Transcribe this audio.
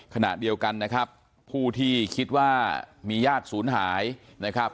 ขณะเดียวกันนะครับผู้ที่คิดว่ามีญาติศูนย์หายนะครับ